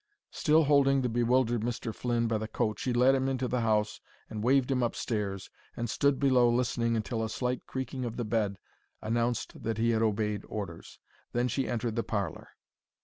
Still holding the bewildered Mr. Flynn by the coat, she led him into the house and waved him upstairs, and stood below listening until a slight creaking of the bed announced that he had obeyed orders. Then she entered the parlour.